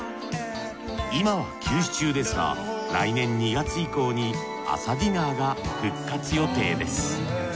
今は休止中ですが来年２月以降に朝ディナーが復活予定です。